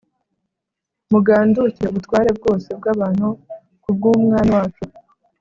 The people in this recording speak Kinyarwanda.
Mugandukire ubutware bwose bw'abantu ku bw'Umwami wacu: